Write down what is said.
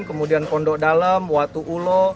kemudian pondok dalam watu ulo